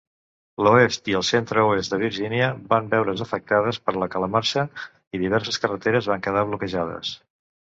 L'oest i el centre-oest de Virgínia van veure's afectades per la calamarsa i diverses carreteres van quedar bloquejades.